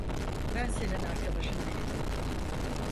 Ben senin arkadaşın değilim.